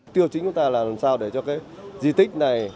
tiêu chính của ta là làm sao để cho cái di tích này